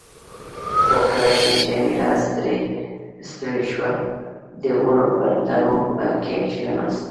خو کله چې جميله ستړې شوه، د ونو پر تنو کښېناستو.